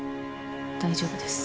大丈夫です。